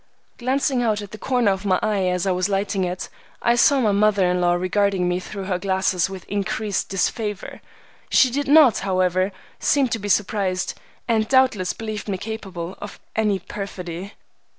Glancing out at the corner of my eye as I was lighting it, I saw my mother in law regarding me through her glasses with increased disfavor. She did not, however, seem to be surprised, and doubtless believed me capable of any perfidy.